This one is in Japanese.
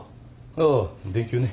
ああ電球ね。